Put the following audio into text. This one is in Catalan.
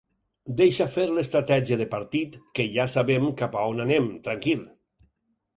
Deixa fer l’estratègia de partit que ja sabem cap on anem, tranquil.